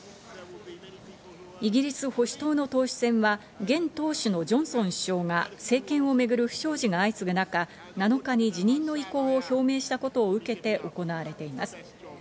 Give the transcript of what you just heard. イギリス保守党の党首選は現党首のジョンソン首相が政権をめぐる不祥事が相次ぐ中、７日に辞任の意向を表明したことを受けて行われています。